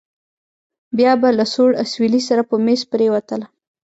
بيا به له سوړ اسويلي سره په مېز پرېوتله.